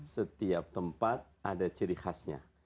setiap tempat ada ciri khasnya